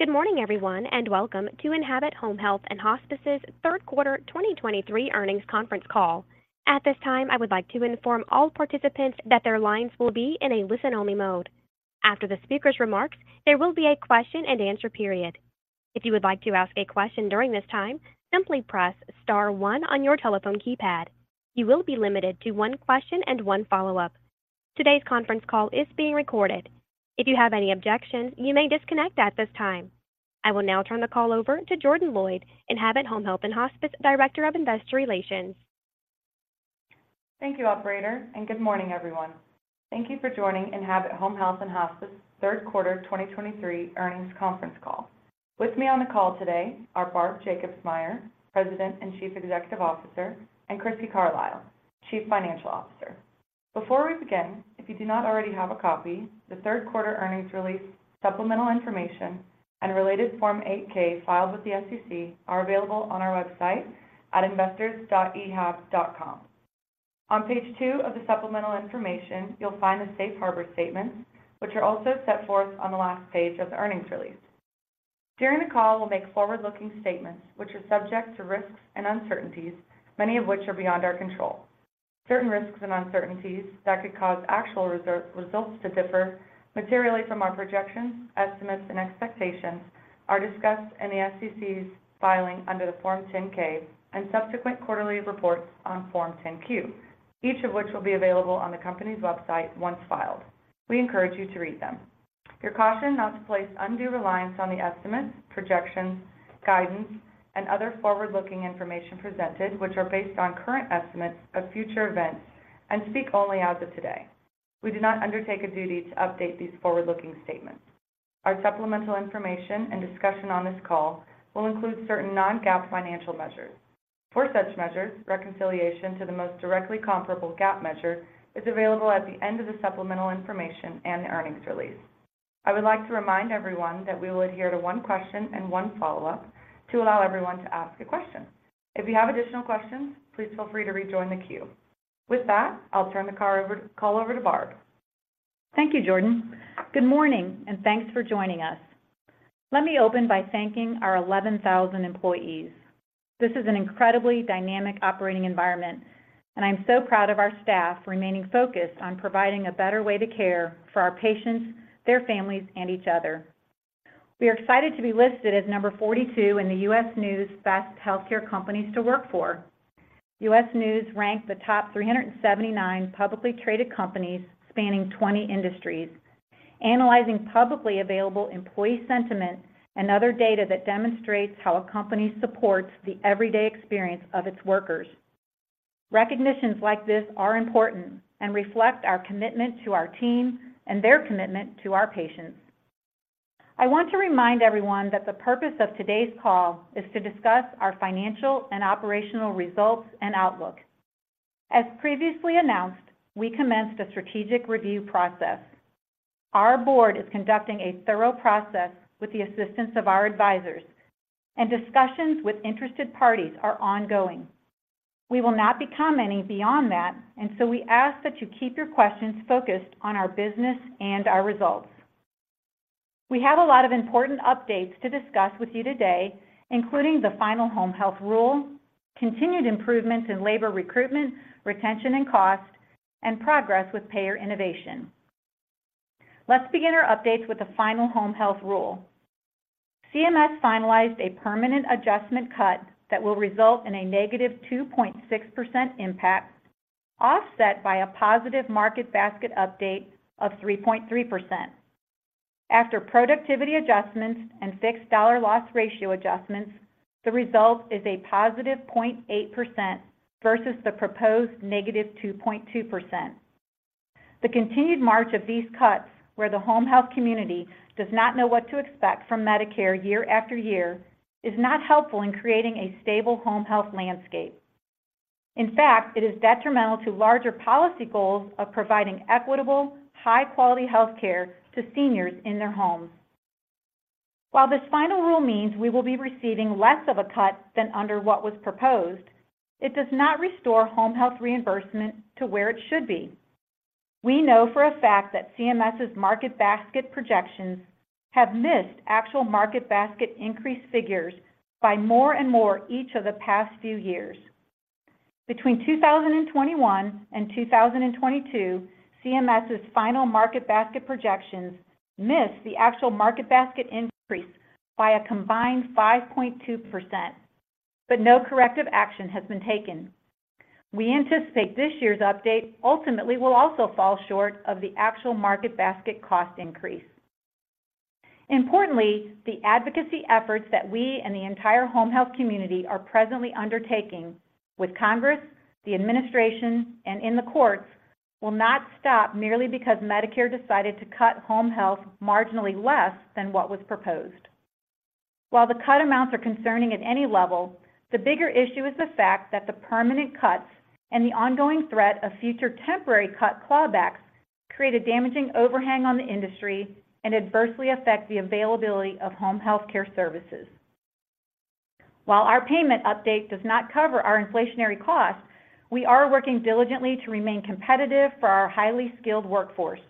Good morning, everyone, and welcome to Enhabit Home Health & Hospice's third quarter 2023 earnings conference call. At this time, I would like to inform all participants that their lines will be in a listen-only mode. After the speaker's remarks, there will be a question and answer period. If you would like to ask a question during this time, simply press star one on your telephone keypad. You will be limited to one question and one follow-up. Today's conference call is being recorded. If you have any objections, you may disconnect at this time. I will now turn the call over to Jordan Loyd, Enhabit Home Health & Hospice, Director of Investor Relations. Thank you, operator, and good morning, everyone. Thank you for joining Enhabit Home Health & Hospice third quarter 2023 earnings conference call. With me on the call today are Barb Jacobsmeyer, President and Chief Executive Officer, and Crissy Carlisle, Chief Financial Officer. Before we begin, if you do not already have a copy, the third quarter earnings release, supplemental information, and related Form 8-K filed with the SEC are available on our website at investors.ehab.com. On page two of the supplemental information, you'll find the safe harbor statements, which are also set forth on the last page of the earnings release. During the call, we'll make forward-looking statements which are subject to risks and uncertainties, many of which are beyond our control. Certain risks and uncertainties that could cause actual results to differ materially from our projections, estimates, and expectations are discussed in the SEC's filing under the Form 10-K and subsequent quarterly reports on Form 10-Q, each of which will be available on the company's website once filed. We encourage you to read them. You're cautioned not to place undue reliance on the estimates, projections, guidance, and other forward-looking information presented, which are based on current estimates of future events and speak only as of today. We do not undertake a duty to update these forward-looking statements. Our supplemental information and discussion on this call will include certain non-GAAP financial measures. For such measures, reconciliation to the most directly comparable GAAP measure is available at the end of the supplemental information and the earnings release. I would like to remind everyone that we will adhere to one question and one follow-up to allow everyone to ask a question. If you have additional questions, please feel free to rejoin the queue. With that, I'll turn the call over to Barb. Thank you, Jordan. Good morning, and thanks for joining us. Let me open by thanking our 11,000 employees. This is an incredibly dynamic operating environment, and I'm so proud of our staff remaining focused on providing a better way to care for our patients, their families, and each other. We are excited to be listed as number 42 in the U.S. News Best Healthcare Companies to Work For. U.S. News ranked the top 379 publicly traded companies spanning 20 industries, analyzing publicly available employee sentiment and other data that demonstrates how a company supports the everyday experience of its workers. Recognitions like this are important and reflect our commitment to our team and their commitment to our patients. I want to remind everyone that the purpose of today's call is to discuss our financial and operational results and outlook. As previously announced, we commenced a strategic review process. Our board is conducting a thorough process with the assistance of our advisors, and discussions with interested parties are ongoing. We will not be commenting beyond that, and so we ask that you keep your questions focused on our business and our results. We have a lot of important updates to discuss with you today, including the final Home Health rule, continued improvements in labor recruitment, retention, and cost, and progress with Payer Innovation. Let's begin our updates with the final Home Health rule. CMS finalized a permanent adjustment cut that will result in a negative 2.6% impact, offset by a positive 3.3% Market Basket update. After productivity adjustments and fixed dollar loss ratio adjustments, the result is a positive 0.8% versus the proposed negative 2.2%. The continued march of these cuts, where the home health community does not know what to expect from Medicare year after year, is not helpful in creating a stable home health landscape. In fact, it is detrimental to larger policy goals of providing equitable, high-quality health care to seniors in their homes. While this final rule means we will be receiving less of a cut than under what was proposed, it does not restore home health reimbursement to where it should be. We know for a fact that CMS's Market Basket projections have missed actual Market Basket increase figures by more and more each of the past few years. Between 2021 and 2022, CMS's final Market Basket projections missed the actual Market Basket increase by a combined 5.2%, but no corrective action has been taken. We anticipate this year's update ultimately will also fall short of the actual Market Basket cost increase. Importantly, the advocacy efforts that we and the entire home health community are presently undertaking with Congress, the administration, and in the courts will not stop merely because Medicare decided to cut home health marginally less than what was proposed. While the cut amounts are concerning at any level, the bigger issue is the fact that the permanent cuts and the ongoing threat of future temporary cut clawbacks create a damaging overhang on the industry and adversely affect the availability of home health care services.... While our payment update does not cover our inflationary costs, we are working diligently to remain competitive for our highly skilled workforce.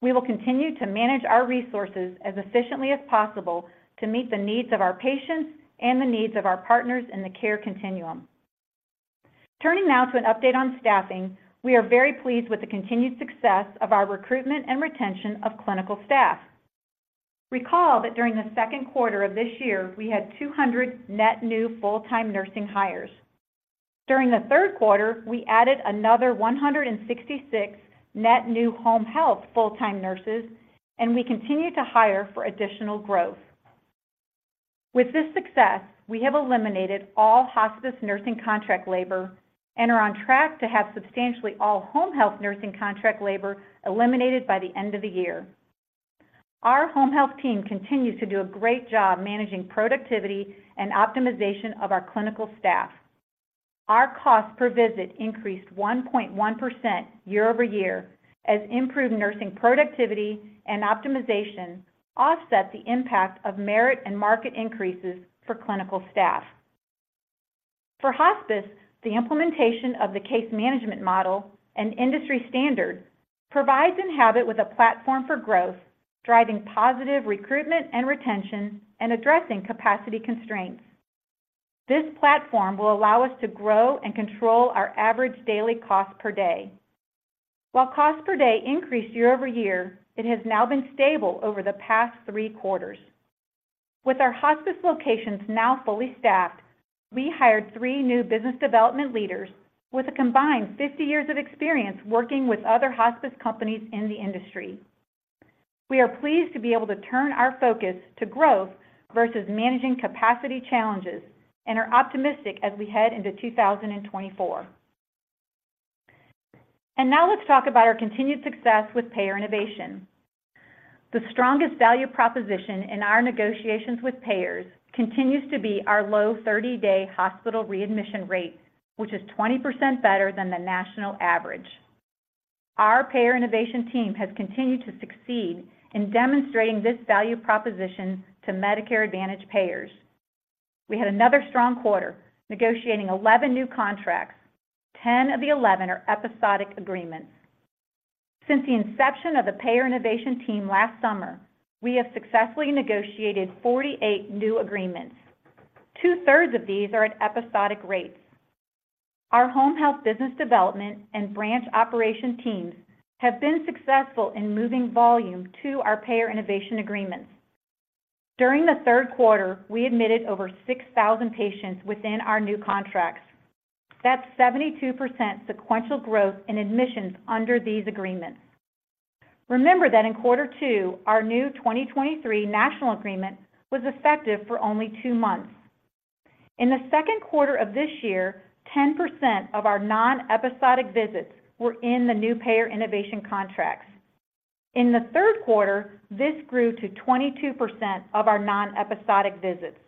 We will continue to manage our resources as efficiently as possible to meet the needs of our patients and the needs of our partners in the care continuum. Turning now to an update on staffing, we are very pleased with the continued success of our recruitment and retention of clinical staff. Recall that during the second quarter of this year, we had 200 net new full-time nursing hires. During the third quarter, we added another 166 net new home health full-time nurses, and we continue to hire for additional growth. With this success, we have eliminated all hospice nursing contract labor and are on track to have substantially all home health nursing contract labor eliminated by the end of the year. Our home health team continues to do a great job managing productivity and optimization of our clinical staff. Our cost per visit increased 1.1% year-over-year, as improved nursing productivity and optimization offset the impact of merit and market increases for clinical staff. For hospice, the implementation of the case management model and industry standard provides Enhabit with a platform for growth, driving positive recruitment and retention, and addressing capacity constraints. This platform will allow us to grow and control our average daily cost per day. While cost per day increased year-over-year, it has now been stable over the past three quarters. With our hospice locations now fully staffed, we hired three new business development leaders with a combined 50 years of experience working with other hospice companies in the industry. We are pleased to be able to turn our focus to growth versus managing capacity challenges and are optimistic as we head into 2024. Now let's talk about our continued success with Payer Innovation. The strongest value proposition in our negotiations with payers continues to be our low 30-day hospital readmission rate, which is 20% better than the national average. Our Payer Innovation team has continued to succeed in demonstrating this value proposition to Medicare Advantage payers. We had another strong quarter, negotiating 11 new contracts. 10 of the 11 are episodic agreements. Since the inception of the Payer Innovation team last summer, we have successfully negotiated 48 new agreements. Two-thirds of these are at episodic rates. Our home health business development and branch operation teams have been successful in moving volume to our Payer Innovation agreements. During the third quarter, we admitted over 6,000 patients within our new contracts. That's 72% sequential growth in admissions under these agreements. Remember that in quarter two, our new 2023 national agreement was effective for only two months. In the second quarter of this year, 10% of our non-episodic visits were in the new Payer Innovation contracts. In the third quarter, this grew to 22% of our non-episodic visits.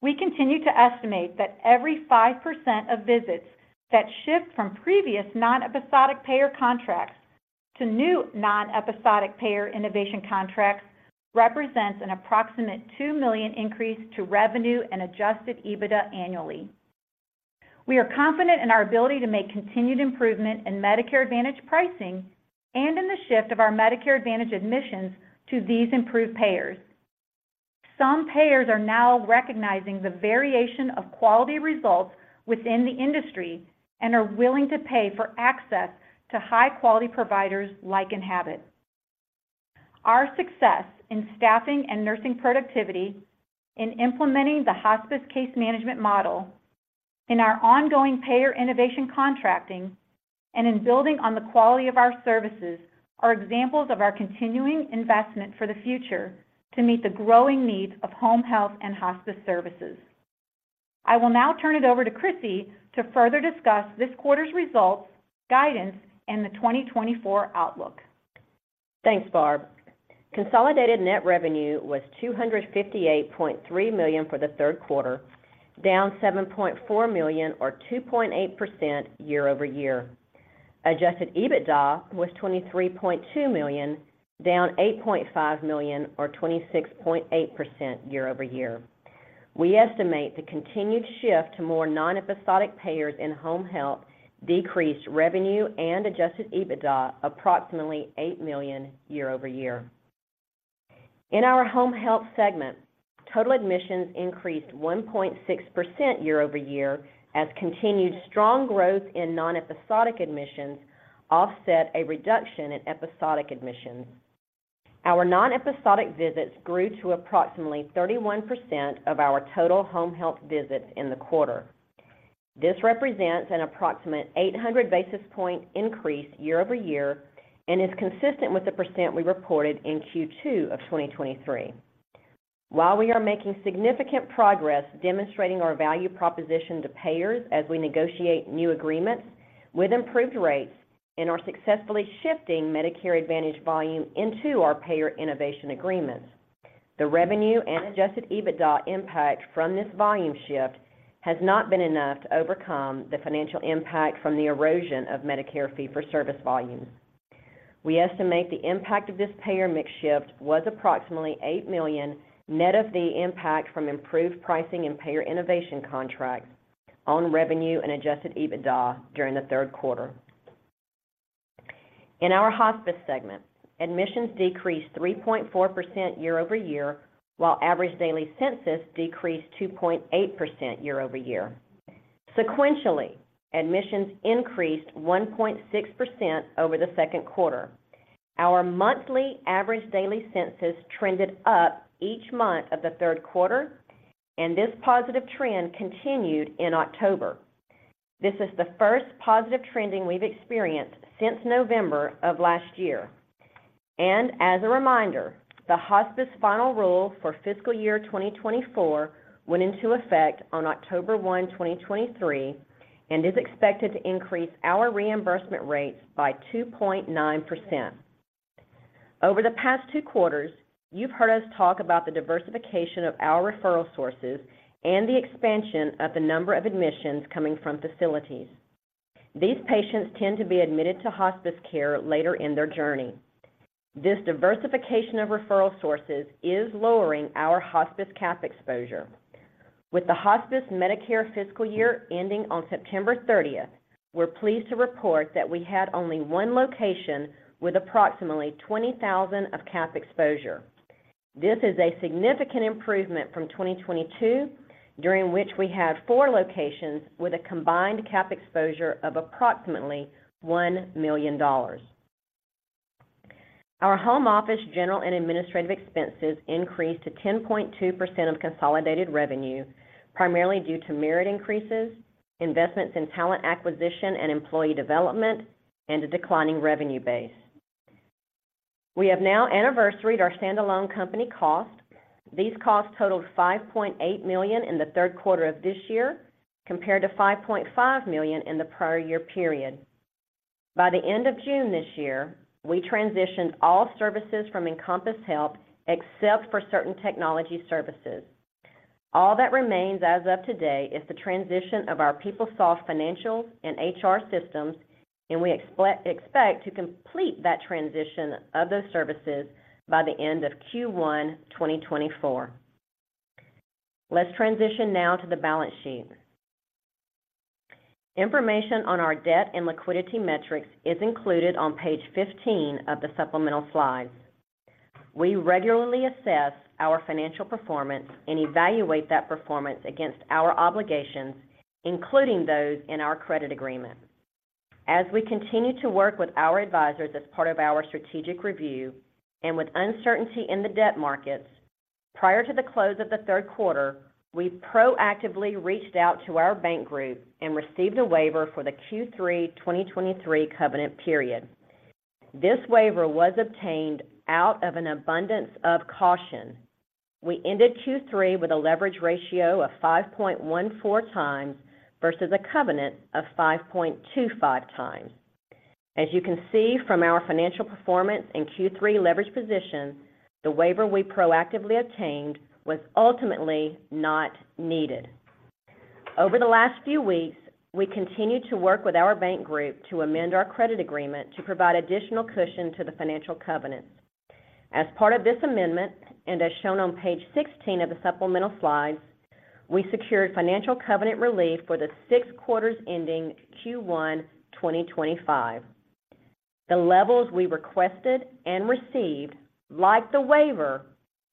We continue to estimate that every 5% of visits that shift from previous non-episodic payer contracts to new non-episodic Payer Innovation contracts represents an approximate $2 million increase to revenue and adjusted EBITDA annually. We are confident in our ability to make continued improvement in Medicare Advantage pricing and in the shift of our Medicare Advantage admissions to these improved payers. Some payers are now recognizing the variation of quality results within the industry and are willing to pay for access to high-quality providers like Enhabit. Our success in staffing and nursing productivity, in implementing the hospice case management model, in our ongoing Payer Innovation contracting, and in building on the quality of our services are examples of our continuing investment for the future to meet the growing needs of home health and hospice services. I will now turn it over to Crissy to further discuss this quarter's results, guidance, and the 2024 outlook. Thanks, Barb. Consolidated net revenue was $258.3 million for the third quarter, down $7.4 million, or 2.8% year-over-year. Adjusted EBITDA was $23.2 million, down $8.5 million, or 26.8% year-over-year. We estimate the continued shift to more non-episodic payers in home health decreased revenue and adjusted EBITDA approximately $8 million year-over-year. In our home health segment, total admissions increased 1.6% year-over-year, as continued strong growth in non-episodic admissions offset a reduction in episodic admissions. Our non-episodic visits grew to approximately 31% of our total home health visits in the quarter. This represents an approximate 800 basis point increase year-over-year and is consistent with the percent we reported in Q2 of 2023. While we are making significant progress demonstrating our value proposition to payers as we negotiate new agreements with improved rates and are successfully shifting Medicare Advantage volume into our Payer Innovation agreements, the revenue and adjusted EBITDA impact from this volume shift has not been enough to overcome the financial impact from the erosion of Medicare Fee-for-Service volumes... We estimate the impact of this payer mix shift was approximately $8 million, net of the impact from improved pricing and payer innovation contracts on revenue and adjusted EBITDA during the third quarter. In our hospice segment, admissions decreased 3.4% year-over-year, while average daily census decreased 2.8% year-over-year. Sequentially, admissions increased 1.6% over the second quarter. Our monthly average daily census trended up each month of the third quarter, and this positive trend continued in October. This is the first positive trending we've experienced since November of last year. As a reminder, the hospice final rule for fiscal year 2024 went into effect on October 1, 2023, and is expected to increase our reimbursement rates by 2.9%. Over the past two quarters, you've heard us talk about the diversification of our referral sources and the expansion of the number of admissions coming from facilities. These patients tend to be admitted to hospice care later in their journey. This diversification of referral sources is lowering our hospice cap exposure. With the hospice Medicare fiscal year ending on September 30th, we're pleased to report that we had only one location with approximately $20,000 of cap exposure. This is a significant improvement from 2022, during which we had four locations with a combined cap exposure of approximately $1 million. Our home office, general and administrative expenses increased to 10.2% of consolidated revenue, primarily due to merit increases, investments in talent acquisition and employee development, and a declining revenue base. We have now anniversaried our standalone company cost. These costs totaled $5.8 million in the third quarter of this year, compared to $5.5 million in the prior year period. By the end of June this year, we transitioned all services from Encompass Health, except for certain technology services. All that remains as of today is the transition of our PeopleSoft financials and HR systems, and we expect to complete that transition of those services by the end of Q1 2024. Let's transition now to the balance sheet. Information on our debt and liquidity metrics is included on page 15 of the supplemental slides. We regularly assess our financial performance and evaluate that performance against our obligations, including those in our credit agreement. As we continue to work with our advisors as part of our strategic review and with uncertainty in the debt markets, prior to the close of the third quarter, we proactively reached out to our bank group and received a waiver for the Q3 2023 covenant period. This waiver was obtained out of an abundance of caution. We ended Q3 with a leverage ratio of 5.14 times versus a covenant of 5.25 times. As you can see from our financial performance in Q3 leverage position, the waiver we proactively obtained was ultimately not needed. Over the last few weeks, we continued to work with our bank group to amend our credit agreement to provide additional cushion to the financial covenants. As part of this amendment, and as shown on page 16 of the supplemental slides, we secured financial covenant relief for the six quarters ending Q1 2025. The levels we requested and received, like the waiver,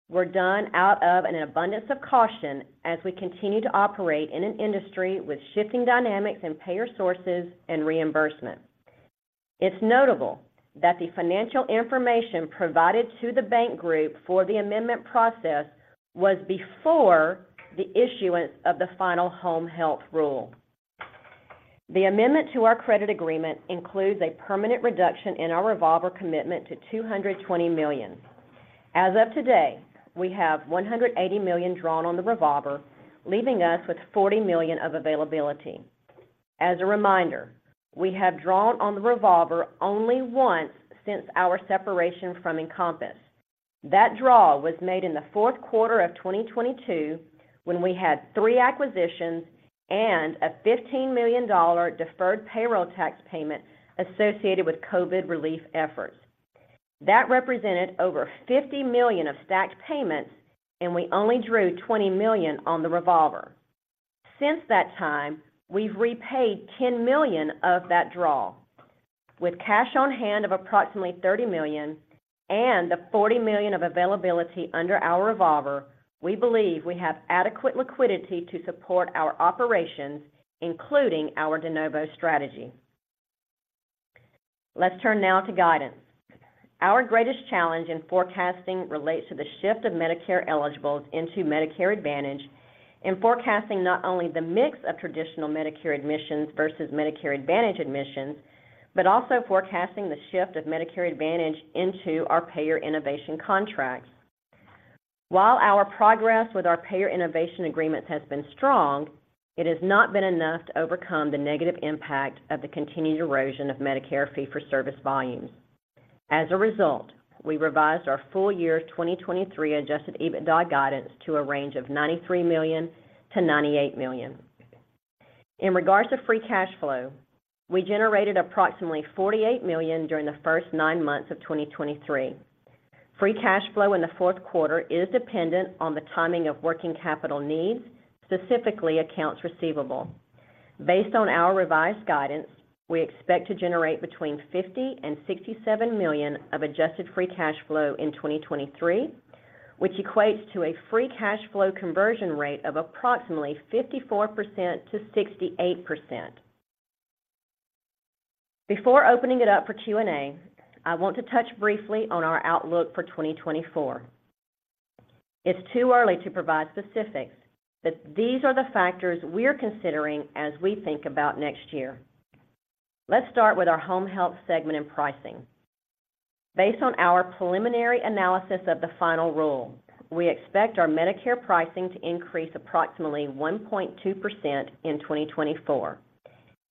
were done out of an abundance of caution as we continue to operate in an industry with shifting dynamics and payer sources and reimbursement. It's notable that the financial information provided to the bank group for the amendment process was before the issuance of the final Home Health Rule. The amendment to our credit agreement includes a permanent reduction in our revolver commitment to $220 million. As of today, we have $180 million drawn on the revolver, leaving us with $40 million of availability. As a reminder, we have drawn on the revolver only once since our separation from Encompass. That draw was made in the fourth quarter of 2022, when we had three acquisitions and a $15 million deferred payroll tax payment associated with COVID relief efforts. That represented over $50 million of stacked payments, and we only drew $20 million on the revolver. Since that time, we've repaid $10 million of that draw. With cash on hand of approximately $30 million and the $40 million of availability under our revolver, we believe we have adequate liquidity to support our operations, including our de novo strategy. Let's turn now to guidance. Our greatest challenge in forecasting relates to the shift of Medicare eligibles into Medicare Advantage, and forecasting not only the mix of traditional Medicare admissions versus Medicare Advantage admissions, but also forecasting the shift of Medicare Advantage into our payer innovation contracts. While our progress with our Payer Innovation agreements has been strong, it has not been enough to overcome the negative impact of the continued erosion of Medicare Fee-for-Service volumes. As a result, we revised our full year 2023 adjusted EBITDA guidance to a range of $93 million-$98 million. In regards to Free Cash Flow, we generated approximately $48 million during the first nine months of 2023. Free Cash Flow in the fourth quarter is dependent on the timing of working capital needs, specifically accounts receivable. Based on our revised guidance, we expect to generate between $50 million and $67 million of adjusted Free Cash Flow in 2023, which equates to a Free Cash Flow conversion rate of approximately 54%-68%. Before opening it up for Q&A, I want to touch briefly on our outlook for 2024. It's too early to provide specifics, but these are the factors we're considering as we think about next year. Let's start with our home health segment and pricing. Based on our preliminary analysis of the final rule, we expect our Medicare pricing to increase approximately 1.2% in 2024,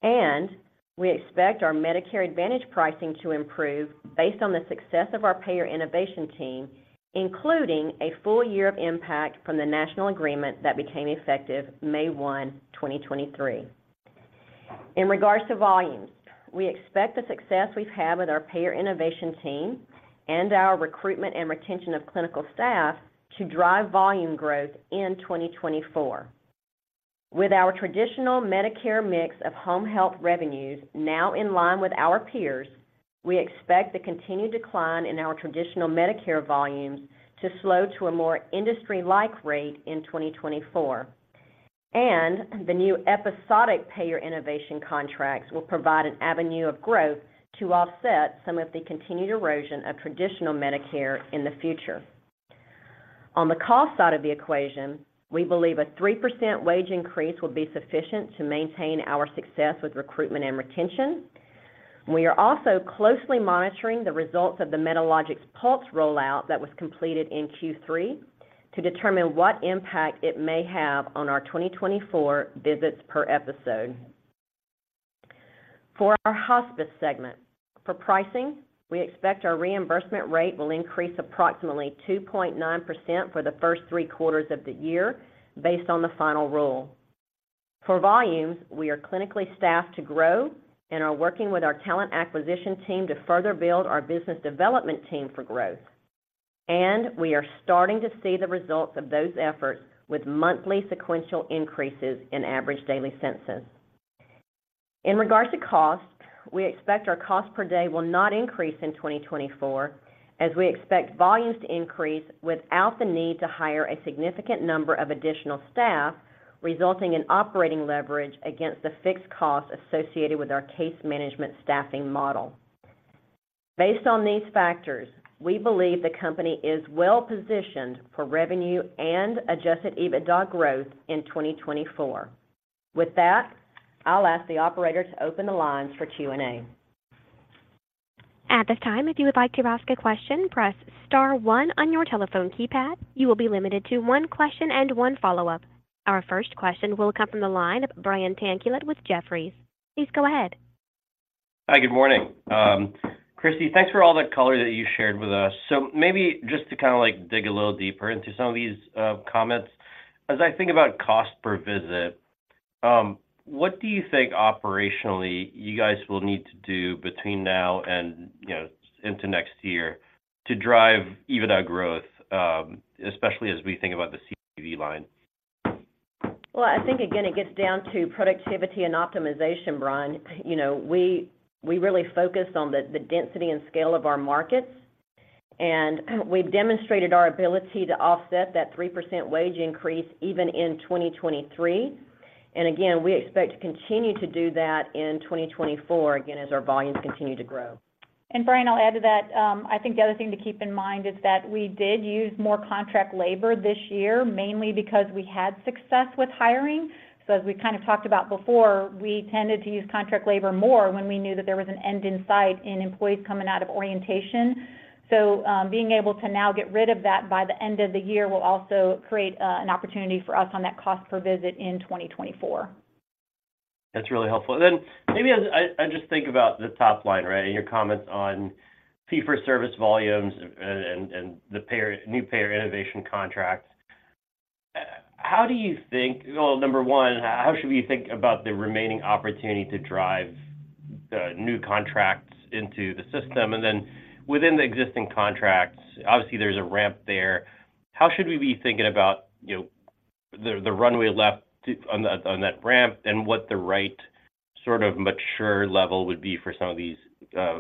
and we expect our Medicare Advantage pricing to improve based on the success of our payer innovation team, including a full year of impact from the national agreement that became effective May 1, 2023. In regards to volumes, we expect the success we've had with our payer innovation team and our recruitment and retention of clinical staff to drive volume growth in 2024. With our traditional Medicare mix of home health revenues now in line with our peers, we expect the continued decline in our traditional Medicare volumes to slow to a more industry-like rate in 2024. The new episodic payer innovation contracts will provide an avenue of growth to offset some of the continued erosion of traditional Medicare in the future. On the cost side of the equation, we believe a 3% wage increase will be sufficient to maintain our success with recruitment and retention. We are also closely monitoring the results of the Medalogix Pulse rollout that was completed in Q3, to determine what impact it may have on our 2024 visits per episode. For our hospice segment, for pricing, we expect our reimbursement rate will increase approximately 2.9% for the first three quarters of the year, based on the final rule. For volumes, we are clinically staffed to grow and are working with our talent acquisition team to further build our business development team for growth. We are starting to see the results of those efforts with monthly sequential increases in average daily census. In regards to cost, we expect our cost per day will not increase in 2024, as we expect volumes to increase without the need to hire a significant number of additional staff, resulting in operating leverage against the fixed costs associated with our case management staffing model. Based on these factors, we believe the company is well positioned for revenue and adjusted EBITDA growth in 2024. With that, I'll ask the operator to open the lines for Q&A. At this time, if you would like to ask a question, press star one on your telephone keypad. You will be limited to one question and one follow-up. Our first question will come from the line of Brian Tanquilut with Jefferies. Please go ahead. Hi, good morning. Crissy, thanks for all the color that you shared with us. So maybe just to kind of, like, dig a little deeper into some of these comments. As I think about cost per visit, what do you think operationally you guys will need to do between now and, you know, into next year to drive EBITDA growth, especially as we think about the CPV line? Well, I think, again, it gets down to productivity and optimization, Brian. You know, we really focus on the density and scale of our markets, and we've demonstrated our ability to offset that 3% wage increase even in 2023. And again, we expect to continue to do that in 2024, again, as our volumes continue to grow. And Brian, I'll add to that. I think the other thing to keep in mind is that we did use more contract labor this year, mainly because we had success with hiring. So as we kind of talked about before, we tended to use contract labor more when we knew that there was an end in sight in employees coming out of orientation. So, being able to now get rid of that by the end of the year will also create an opportunity for us on that cost per visit in 2024. That's really helpful. Then maybe as I just think about the top line, right, and your comments on fee-for-service volumes and the payer new Payer Innovation contracts. How do you think... Well, number one, how should we think about the remaining opportunity to drive the new contracts into the system? And then within the existing contracts, obviously, there's a ramp there. How should we be thinking about, you know, the runway left to on that ramp, and what the right sort of mature level would be for some of these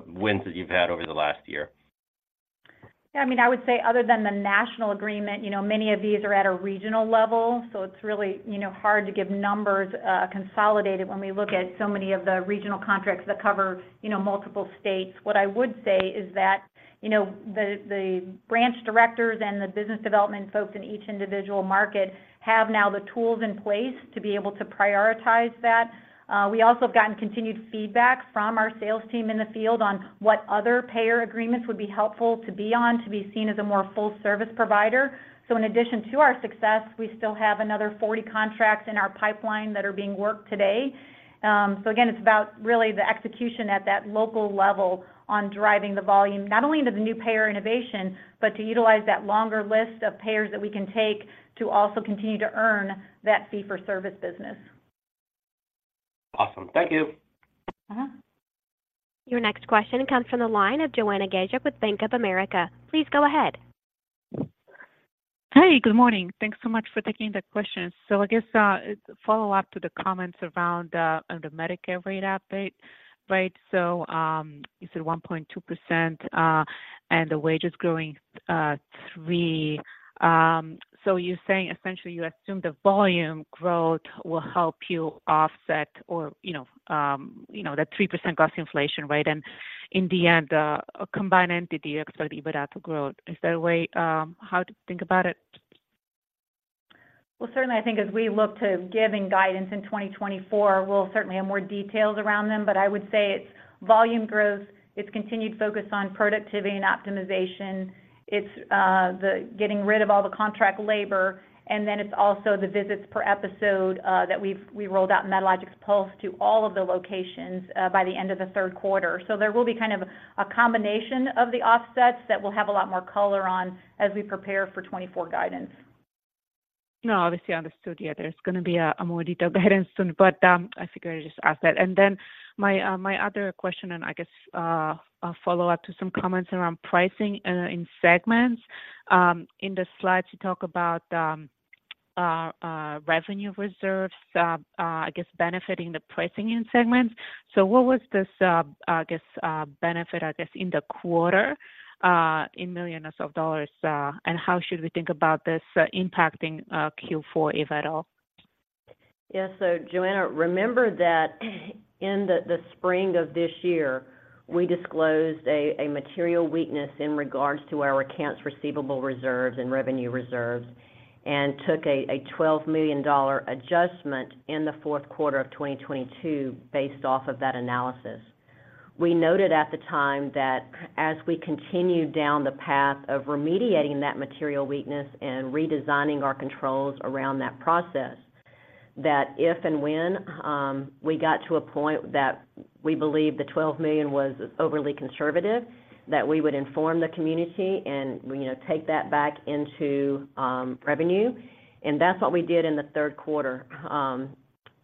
wins that you've had over the last year? Yeah, I mean, I would say other than the national agreement, you know, many of these are at a regional level, so it's really, you know, hard to give numbers consolidated when we look at so many of the regional contracts that cover, you know, multiple states. What I would say is that, you know, the branch directors and the business development folks in each individual market have now the tools in place to be able to prioritize that. We also have gotten continued feedback from our sales team in the field on what other payer agreements would be helpful to be on, to be seen as a more full service provider. So in addition to our success, we still have another 40 contracts in our pipeline that are being worked today.... So again, it's about really the execution at that local level on driving the volume, not only into the new payer innovation, but to utilize that longer list of payers that we can take to also continue to earn that fee-for-service business. Awesome. Thank you. Uh-huh. Your next question comes from the line of Joanna Gajuk with Bank of America. Please go ahead. Hey, good morning. Thanks so much for taking the questions. So I guess, follow up to the comments around, on the Medicare rate update, right? So, you said 1.2%, and the wage is growing, 3%. So you're saying essentially, you assume the volume growth will help you offset or, you know, you know, that 3% cost inflation rate, and in the end, combined entity EBITDA growth. Is there a way, how to think about it? Well, certainly, I think as we look to giving guidance in 2024, we'll certainly have more details around them, but I would say it's volume growth, it's continued focus on productivity and optimization, it's the getting rid of all the contract labor, and then it's also the visits per episode that we've rolled out in Medalogix Pulse to all of the locations by the end of the third quarter. So there will be kind of a combination of the offsets that we'll have a lot more color on as we prepare for 2024 guidance. No, obviously, understood. Yeah, there's going to be a more detailed guidance soon, but I figured I'd just ask that. And then my other question, and I guess a follow-up to some comments around pricing in segments. In the slides, you talk about revenue reserves, I guess, benefiting the pricing in segments. So what was this benefit, I guess, in the quarter in millions of dollars? And how should we think about this impacting Q4, if at all? Yes. So, Joanna, remember that in the spring of this year, we disclosed a material weakness in regards to our accounts receivable reserves and revenue reserves, and took a $12 million adjustment in the fourth quarter of 2022, based off of that analysis. We noted at the time that as we continued down the path of remediating that material weakness and redesigning our controls around that process, that if and when we got to a point that we believe the $12 million was overly conservative, that we would inform the community and, you know, take that back into revenue. And that's what we did in the third quarter.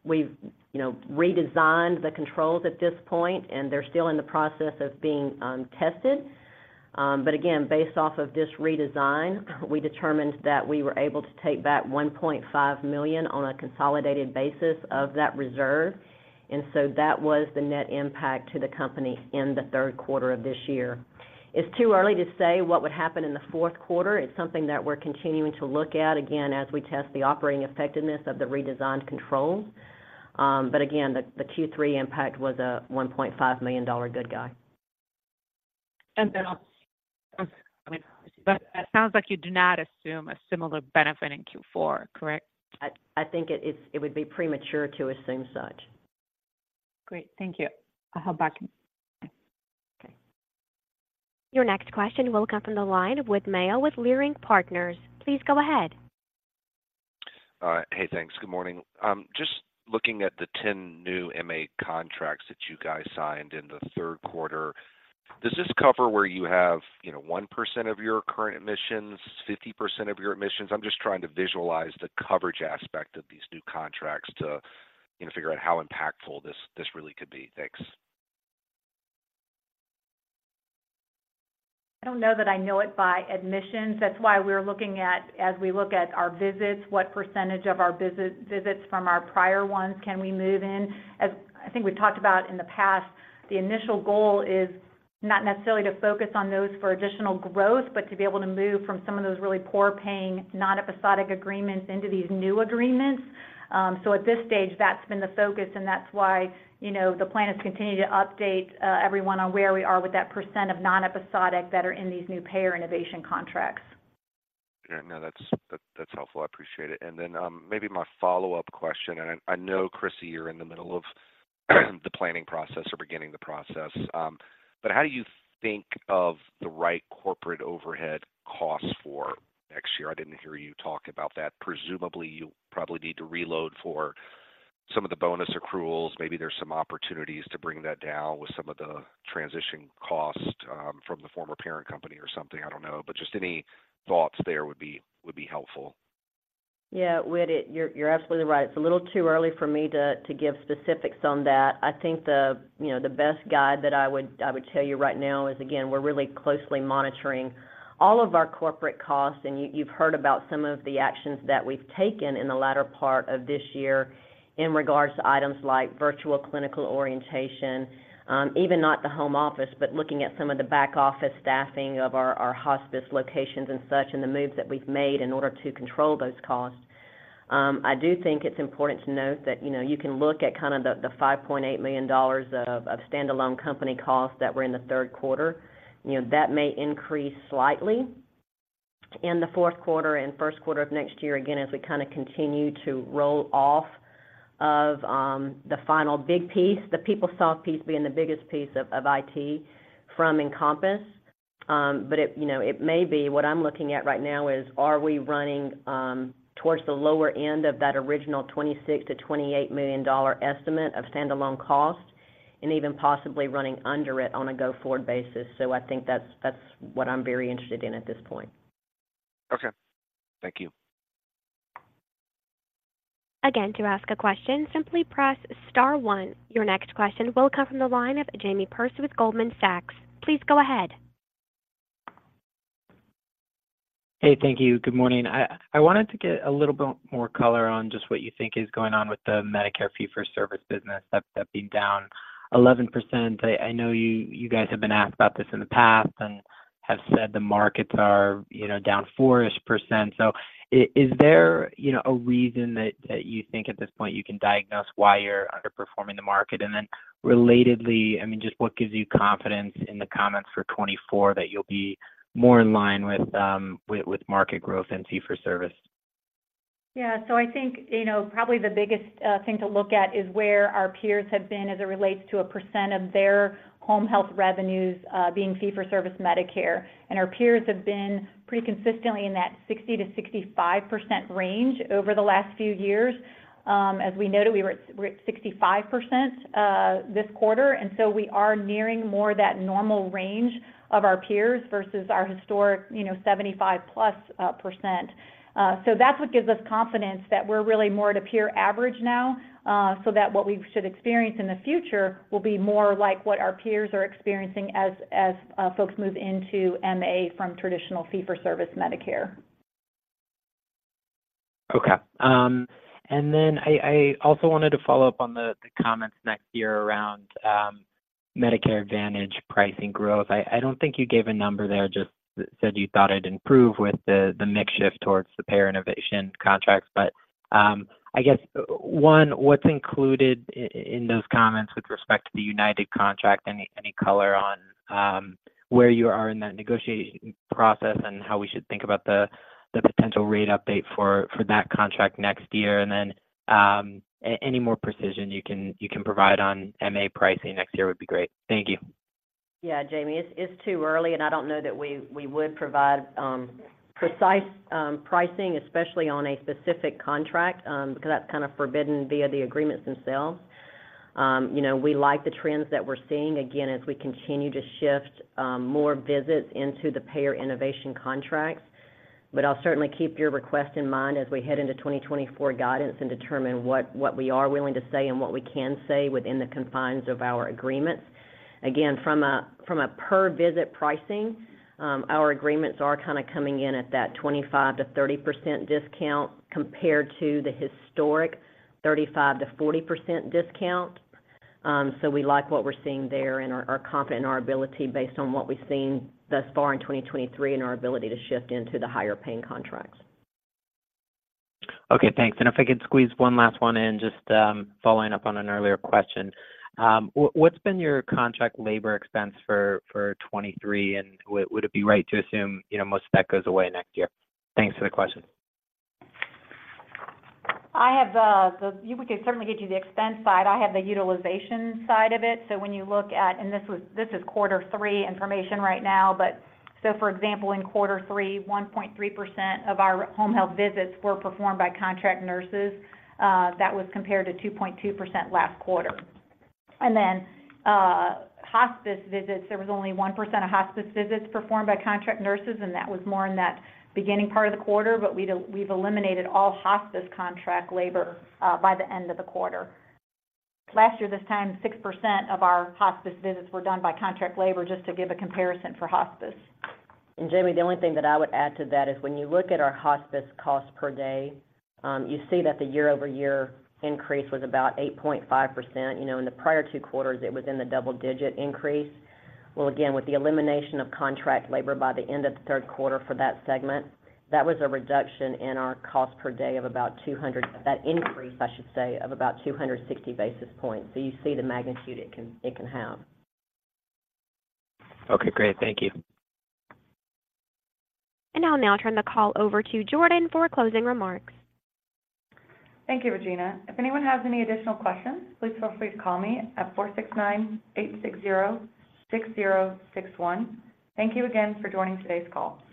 We've, you know, redesigned the controls at this point, and they're still in the process of being tested. But again, based off of this redesign, we determined that we were able to take back $1.5 million on a consolidated basis of that reserve. And so that was the net impact to the company in the third quarter of this year. It's too early to say what would happen in the fourth quarter. It's something that we're continuing to look at, again, as we test the operating effectiveness of the redesigned controls. But again, the Q3 impact was a $1.5 million good guy. But it sounds like you do not assume a similar benefit in Q4, correct? I think it would be premature to assume such. Great. Thank you. I'll head back. Okay. Your next question will come from the line Whit Mayo, with Leerink Partners. Please go ahead. Hey, thanks. Good morning. Just looking at the 10 new MA contracts that you guys signed in the third quarter, does this cover where you have, you know, 1% of your current admissions, 50% of your admissions? I'm just trying to visualize the coverage aspect of these new contracts to, you know, figure out how impactful this, this really could be. Thanks. I don't know that I know it by admissions. That's why we're looking at, as we look at our visits, what percentage of our visits from our prior ones can we move in? As I think we've talked about in the past, the initial goal is not necessarily to focus on those for additional growth, but to be able to move from some of those really poor-paying, non-episodic agreements into these new agreements. So at this stage, that's been the focus, and that's why, you know, the plan is to continue to update everyone on where we are with that percent of non-episodic that are in these new payer innovation contracts. Yeah, no, that's helpful. I appreciate it. And then maybe my follow-up question, and I know, Crissy, you're in the middle of the planning process or beginning the process, but how do you think of the right corporate overhead costs for next year? I didn't hear you talk about that. Presumably, you probably need to reload for some of the bonus accruals. Maybe there's some opportunities to bring that down with some of the transition costs from the former parent company or something. I don't know. But just any thoughts there would be helpful. Yeah, Whit, you're absolutely right. It's a little too early for me to give specifics on that. I think the, you know, the best guide that I would tell you right now is, again, we're really closely monitoring all of our corporate costs, and you've heard about some of the actions that we've taken in the latter part of this year in regards to items like virtual clinical orientation, even not the home office, but looking at some of the back office staffing of our hospice locations and such, and the moves that we've made in order to control those costs. I do think it's important to note that, you know, you can look at kind of the $5.8 million of standalone company costs that were in the third quarter. You know, that may increase slightly in the fourth quarter and first quarter of next year, again, as we kinda continue to roll off of, the final big piece, the PeopleSoft piece being the biggest piece of, of IT from Encompass. But it, you know, it may be. What I'm looking at right now is, are we running, towards the lower end of that original $26 million-$28 million estimate of standalone cost, and even possibly running under it on a go-forward basis? So I think that's, that's what I'm very interested in at this point. Okay. Thank you. Again, to ask a question, simply press star one. Your next question will come from the line of Jamie Perse with Goldman Sachs. Please go ahead. Hey, thank you. Good morning. I wanted to get a little bit more color on just what you think is going on with the Medicare Fee-for-Service business, that being down 11%. I know you guys have been asked about this in the past and have said the markets are, you know, down 4-ish%. So is there, you know, a reason that you think at this point you can diagnose why you're underperforming the market? And then relatedly, I mean, just what gives you confidence in the comments for 2024, that you'll be more in line with, with market growth and Fee-for-Service? Yeah. So I think, you know, probably the biggest thing to look at is where our peers have been as it relates to a percent of their home health revenues being Fee-for-Service Medicare. And our peers have been pretty consistently in that 60%-65% range over the last few years. As we noted, we were at, we're at 65% this quarter, and so we are nearing more that normal range of our peers versus our historic, you know, 75%+. So that's what gives us confidence that we're really more at a peer average now, so that what we should experience in the future will be more like what our peers are experiencing as folks move into MA from traditional Fee-for-Service Medicare. Okay. And then I also wanted to follow up on the comments next year around Medicare Advantage pricing growth. I don't think you gave a number there, just said you thought it'd improve with the mix shift towards the Payer Innovation contracts. But I guess one, what's included in those comments with respect to the United contract? Any color on where you are in that negotiation process and how we should think about the potential rate update for that contract next year? And then any more precision you can provide on MA pricing next year would be great. Thank you. Yeah, Jamie, it's too early, and I don't know that we would provide precise pricing, especially on a specific contract, because that's kind of forbidden via the agreements themselves. You know, we like the trends that we're seeing, again, as we continue to shift more visits into the Payer Innovation contracts. But I'll certainly keep your request in mind as we head into 2024 guidance and determine what we are willing to say and what we can say within the confines of our agreements. Again, from a per visit pricing, our agreements are kinda coming in at that 25%-30% discount compared to the historic 35%-40% discount. So we like what we're seeing there, and are confident in our ability based on what we've seen thus far in 2023, and our ability to shift into the higher paying contracts. Okay, thanks. And if I could squeeze one last one in, just following up on an earlier question. What's been your contract labor expense for 2023, and would it be right to assume, you know, most of that goes away next year? Thanks for the question. We could certainly get you the expense side. I have the utilization side of it. So when you look at, this is quarter three information right now, but so for example, in quarter three, 1.3% of our home health visits were performed by contract nurses, that was compared to 2.2% last quarter. And then, hospice visits, there was only 1% of hospice visits performed by contract nurses, and that was more in that beginning part of the quarter, but we've eliminated all hospice contract labor by the end of the quarter. Last year, this time, 6% of our hospice visits were done by contract labor, just to give a comparison for hospice. Jamie, the only thing that I would add to that is when you look at our hospice cost per day, you see that the year-over-year increase was about 8.5%. You know, in the prior two quarters, it was in the double-digit increase. Well, again, with the elimination of contract labor by the end of the third quarter for that segment, that was a reduction in our cost per day of about 200. That increase, I should say, of about 260 basis points. So you see the magnitude it can, it can have. Okay, great. Thank you. I'll now turn the call over to Jordan for closing remarks. Thank you, Regina. If anyone has any additional questions, please feel free to call me at 469-860-6061. Thank you again for joining today's call.